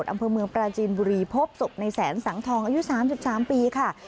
อำเภอเมืองปราจีนบุรีพบศพในแสนศังทองจะอยู่สามผู้๓ปีค่ะ